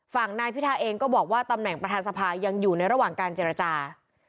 นายพิทาเองก็บอกว่าตำแหน่งประธานสภายังอยู่ในระหว่างการเจรจา